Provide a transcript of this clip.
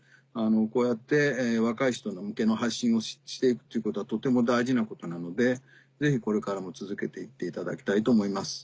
こうやって若い人向けの発信をして行くっていうことはとても大事なことなのでぜひこれからも続けていただきたいと思います。